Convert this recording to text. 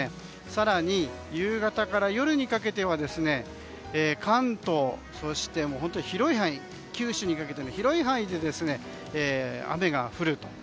更に夕方から夜にかけては関東そして、九州にかけての広い範囲に雨が降ると。